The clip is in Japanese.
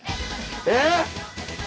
えっ？